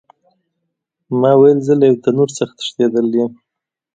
ما ویل زه له یو تنور څخه تښتېدلی یم.